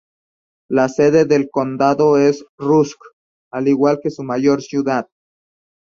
La sede del condado es Rusk, al igual que su mayor ciudad.